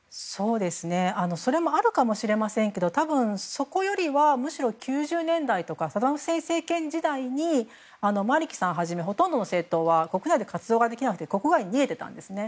それもあるかもしれませんが多分、そこよりはむしろ９０年代とかサダム・フセイン政権時代にマリキさんはじめほとんどの政党は国内で活動ができずに国外に逃げていたんですね。